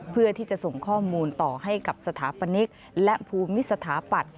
เพื่อที่จะส่งข้อมูลต่อให้กับสถาปนิกและภูมิสถาปัตย